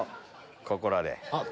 ここらで。